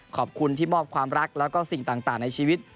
ขอบคุณที่มอบความรักแล้วก็สิ่งต่างในชีวิต